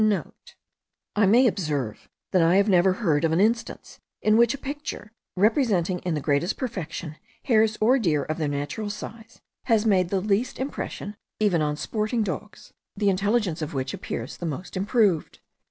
*(* I may observe, that I have never heard of an instance in which a picture, representing, in the greatest perfection, hares or deer of their natural size, has made the least impression even on sporting dogs, the intelligence of which appears the most improved.